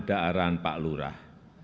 ada arahan pak lurah